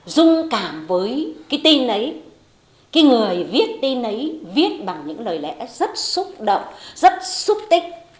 dung cảm với cái tin ấy cái người viết tin ấy viết bằng những lời lẽ rất xúc động rất xúc tích